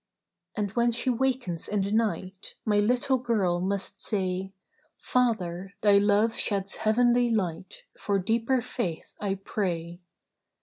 "And when she wakens in the night, My little girl must say, 'Father, Thy love sheds heavenly light; For deeper Faith I pray.